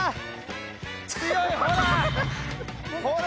強いほら。